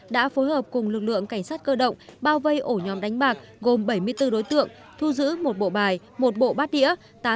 đã phối hợp cùng lực lượng cảnh sát cơ động bao vây ổ nhóm đánh bạc gồm bảy mươi bốn đối tượng thu giữ một bộ bài một bộ bát đĩa